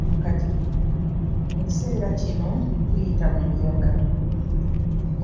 Mu kiseera kino tuyita mu muyaga.